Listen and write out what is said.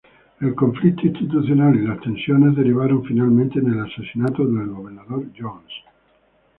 El conflicto institucional y las tensiones derivaron finalmente en el asesinato del gobernador Jones.